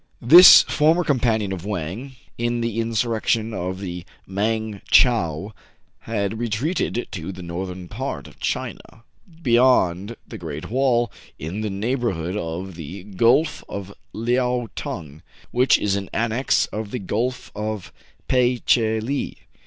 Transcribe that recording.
This former companion of Wang in the insur rection of the Mang Tchao had retreated to the northern part of China, beyond the Great Wall, in the neighborhood of the Gulf of Leao Tong, which is an annex of the Gulf of Pe che lee.